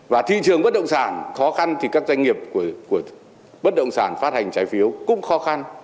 và thị trường bất động sản khó khăn thì các doanh nghiệp của bất động sản phát hành trái phiếu cũng khó khăn